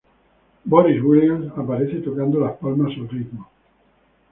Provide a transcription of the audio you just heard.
Boris Williams aparece tocando las palmas al ritmo.